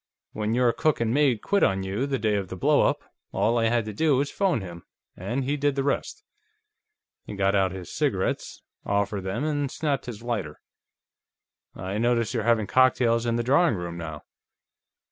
"When your cook and maid quit on you, the day of the blow up, all I had to do was phone him, and he did the rest." He got out his cigarettes, offered them, and snapped his lighter. "I notice you're having cocktails in the drawing room now."